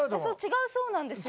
違うそうなんですよ。